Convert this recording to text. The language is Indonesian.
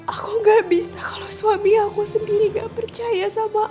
aku gak bisa kalau suami aku sendiri gak percaya sama aku